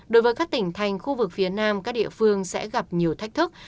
đối với các tỉnh thành khu vực phía nam các địa phương sẽ gặp nhiều thách thức